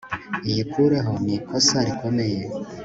iyikureho ni ikosa rikomeye